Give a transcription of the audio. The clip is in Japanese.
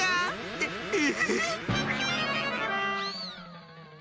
ええ。